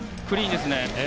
クリーンですね。